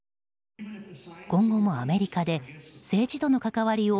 今後もアメリカで政治との関わりを